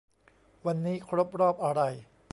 วันนี้ครบรอบอะไร